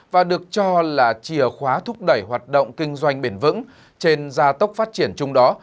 và được cho là chìa khóa thúc đẩy hoạt động kinh doanh bền vững trên gia tốc phát triển chung đó